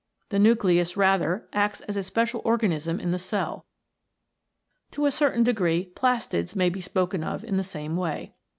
The nucleus rather acts as a special organism in the cell. To a certain 60 CYTOPLASM AND NUCLEUS degree plastids may be spoken of in the same way.